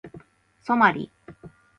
ソマリ